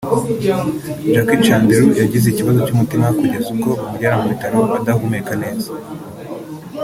Jackie Chandiru yagize ikibazo cy’umutima kugeza ubwo bamujyana mu bitaro adahumeka neza